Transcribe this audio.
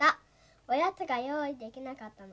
おやつがよういできなかったの。